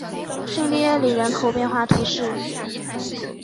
圣蒂耶里人口变化图示